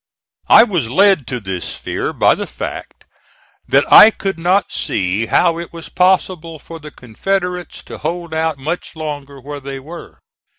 I was led to this fear by the fact that I could not see how it was possible for the Confederates to hold out much longer where they were.